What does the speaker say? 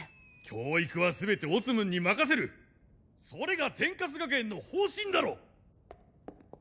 教育は全てオツムンに任せるそれが天カス学園の方針だろう！